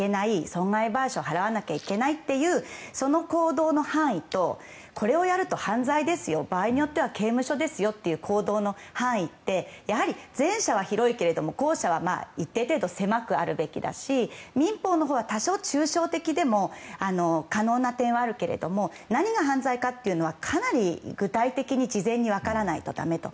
損害賠償を払わなきゃいけないという、その行動の範囲とこれをやると犯罪ですよ場合によっては刑務所ですよという行動の範囲ってやはり前者は広いけど後者は一定程度狭くあるべきだし民法のほうは多少、抽象的でも可能な点はあるけれども何が犯罪かというのはかなり具体的に事前に分からないとだめと。